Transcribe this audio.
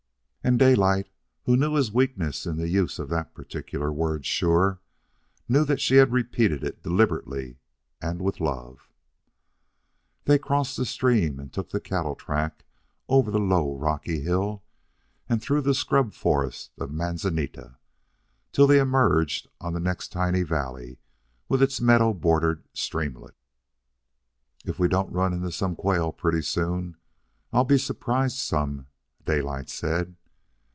And Daylight, who knew his weakness in the use of the particular word sure, knew that she had repeated it deliberately and with love. They crossed the stream and took the cattle track over the low rocky hill and through the scrub forest of manzanita, till they emerged on the next tiny valley with its meadow bordered streamlet. "If we don't run into some quail pretty soon, I'll be surprised some," Daylight said.